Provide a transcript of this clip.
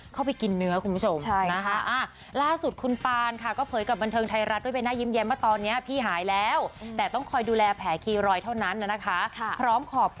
เข้าไปกินเนื้อคุณผู้ชม